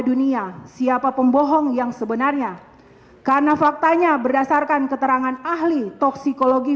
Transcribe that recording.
dunia siapa pembohong yang sebenarnya karena faktanya berdasarkan keterangan ahli toksikologi